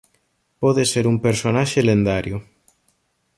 Pode ser un personaxe lendario.